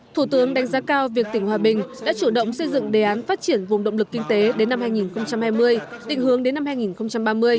thủ tướng đánh giá cao việc tỉnh hòa bình đã chủ động xây dựng đề án phát triển vùng động lực kinh tế đến năm hai nghìn hai mươi định hướng đến năm hai nghìn ba mươi